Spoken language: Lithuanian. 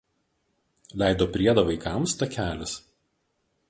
Leido priedą vaikams „Takelis“.